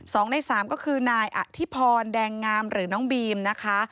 สองในสามก็คือนายอธิพรแดงงามหรือน้องบีมนะคะ